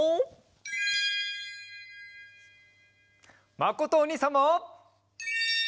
まことおにいさんも！